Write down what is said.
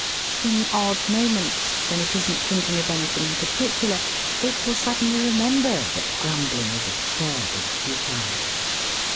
In odd moments, when it isn't thinking of anything in particular, it will suddenly remember that grumbling is absurd and futile.